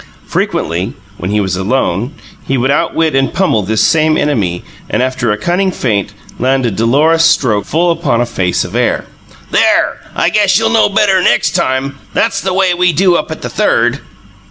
Frequently, when he was alone, he would outwit, and pummel this same enemy, and, after a cunning feint, land a dolorous stroke full upon a face of air. "There! I guess you'll know better next time. That's the way we do up at the Third!"